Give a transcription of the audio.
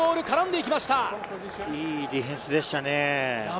いいディフェンスでしたね。